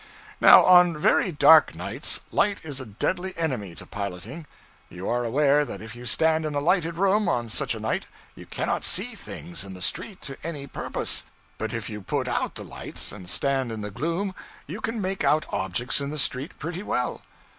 Now on very dark nights, light is a deadly enemy to piloting; you are aware that if you stand in a lighted room, on such a night, you cannot see things in the street to any purpose; but if you put out the lights and stand in the gloom you can make out objects in the street pretty well.